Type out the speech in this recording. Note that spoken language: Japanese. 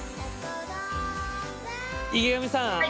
池上さん。